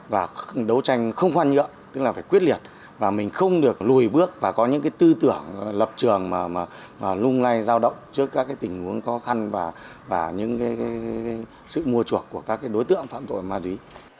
và đấu tranh không hoan nhượng tức là phải quyết liệt và mình không được lùi bước và có những tư tưởng lập trường lung lay giao động trước các tình huống khó khăn và những sự mua chuộc của các đối tượng phạm tội ma túy